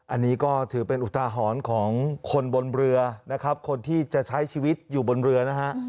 อันนี้ก็ถือเป็นอุทาหรณ์ของคนบนเรือนะครับคนที่จะใช้ชีวิตอยู่บนเรือนะฮะ